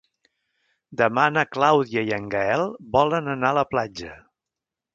Demà na Clàudia i en Gaël volen anar a la platja.